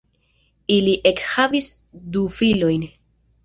Ili ekhavis du filojn.